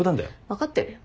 分かってるよ。